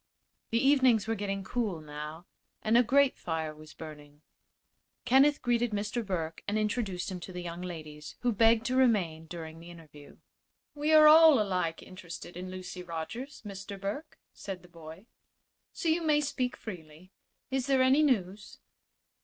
The evenings were getting cool, now, and a grate fire was burning. Kenneth greeted Mr. Burke and introduced him to the young ladies, who begged to remain during the interview. "We are all alike interested in Lucy Rogers, Mr. Burke," said the boy; "so you may speak freely. Is there any news?"